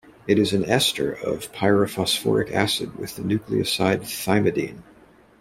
It is an ester of pyrophosphoric acid with the nucleoside thymidine.